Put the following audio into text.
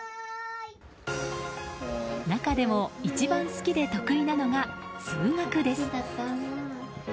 中でも一番好きで得意なのが数学です。